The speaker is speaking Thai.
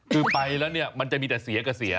คือไปแล้วเนี่ยมันจะมีแต่เสียกับเสีย